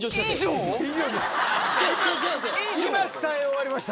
今伝え終わりました。